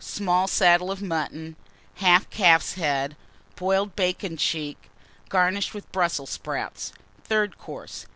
Small Saddle of Mutton. Half Calf's Head. Boiled Bacon cheek, garnished with Brussels Sprouts. THIRD COURSE.